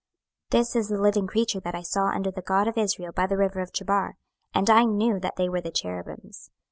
26:010:020 This is the living creature that I saw under the God of Israel by the river of Chebar; and I knew that they were the cherubims.